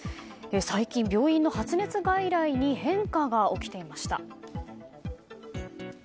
最近、病院の発熱外来に変化が起きていました。